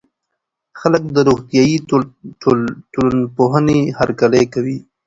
خلګ د روغتيائي ټولنپوهنې هرکلی کوي.